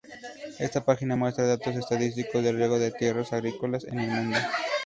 Esta página muestra datos estadísticos del riego de tierras agrícolas en el mundo.